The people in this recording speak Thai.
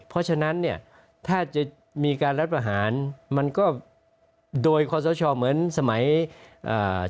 เพราะฉะนั้นเนี่ยถ้าจะมีการรัฐประหารมันก็โดยคอสชเหมือนสมัยอ่า